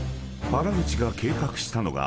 原口が計画したのが］